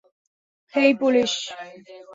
হেই, police!